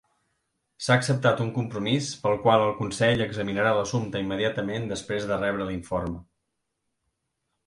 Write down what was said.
S'ha acceptat un compromís, pel qual el Consell examinarà l'assumpte immediatament després de rebre l'informe.